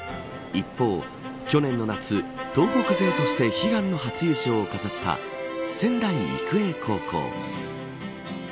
一方、去年の夏東北勢として悲願の初優勝を飾った仙台育英高校。